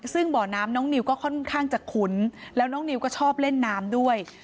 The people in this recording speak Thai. ซึ่งบ่อน้ำน้องนิวก็ค่อนข้างจะคุ้นแล้วน้องนิวก็ชอบเล่นน้ำด้วย